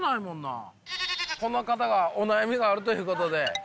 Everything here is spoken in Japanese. この方がお悩みがあるということで。